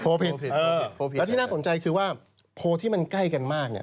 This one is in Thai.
และที่น่าสนใจคือว่าโพลที่มันใกล้กันมาก